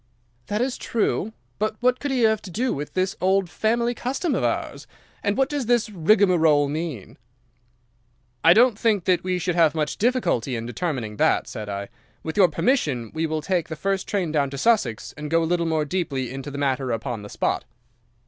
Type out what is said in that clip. "'That is true. But what could he have to do with this old family custom of ours, and what does this rigmarole mean?' "'I don't think that we should have much difficulty in determining that,' said I; 'with your permission we will take the first train down to Sussex, and go a little more deeply into the matter upon the spot.